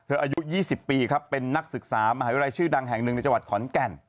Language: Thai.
อายุ๒๐ปีครับเป็นนักศึกษามหาวิทยาลัยชื่อดังแห่งหนึ่งในจังหวัดขอนแก่น